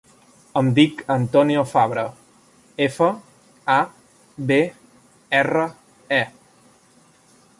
Em dic Antonio Fabre: efa, a, be, erra, e.